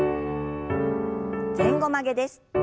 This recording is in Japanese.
前後曲げです。